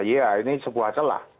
ya ini sebuah celah